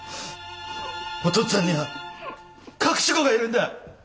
お父っつぁんには隠し子がいるんだ！